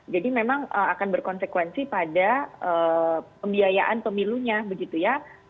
jadi memang akan berkonsekuensi pada pembiayaan pemilunya begitu ya